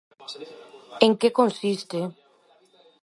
En que consiste?